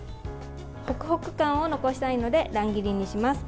ホクホク感を残したいので乱切りにします。